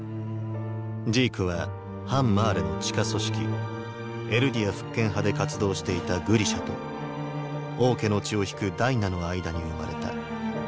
ジークは反マーレの地下組織「エルディア復権派」で活動していたグリシャと王家の血を引くダイナの間に生まれた。